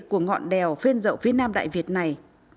của ngọn đèo phên rậu phía nam đại việt này